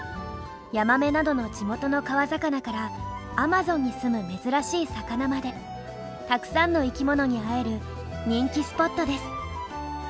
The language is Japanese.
ヤマメなどの地元の川魚からアマゾンにすむ珍しい魚までたくさんの生き物に会える人気スポットです。